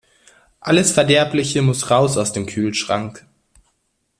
Alles Verderbliche muss raus aus dem Kühlschrank.